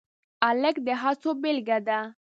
هلک د هڅو بیلګه ده.